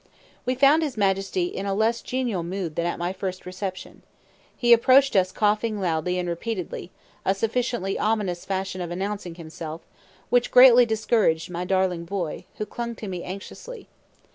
We found his Majesty in a less genial mood than at my first reception. He approached us coughing loudly and repeatedly, a sufficiently ominous fashion of announcing himself, which greatly discouraged my darling boy, who clung to me anxiously.